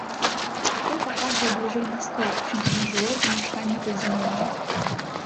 Пакой паказваў бліжэй на склад, чымся на жылое памяшканне пад зямлёю.